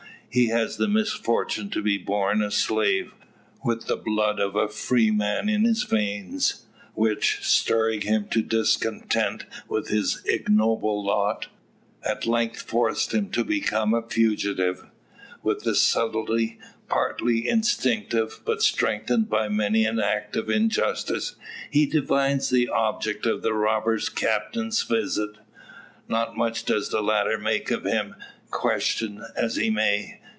He had the misfortune to be born a slave, with the blood of a freeman in his veins; which, stirring him to discontent with his ignoble lot, at length forced him to become a fugitive. With a subtlety partly instinctive, but strengthened by many an act of injustice, he divines the object of the robber captain's visit. Not much does the latter make of him, question as he may.